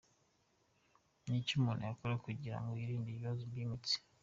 Ni iki umuntu yakora kugira ngo yirinde ibibazo by’imitsi?.